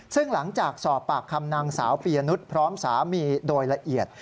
ซึ่งหลังจากสอบปากคำนางสาวปียนุษย์พร้อมสามีโดยละเอียด